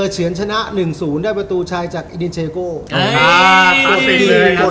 เสียร์ชนะ๑๐ต้องได้ประตูชายแวดยี่จากอิดินเชโก